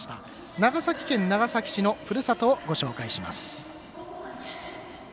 長崎県長崎市のふるさとをご紹介します。